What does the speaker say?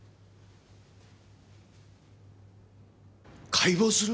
解剖する！？